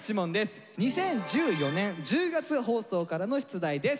２０１４年１０月放送からの出題です。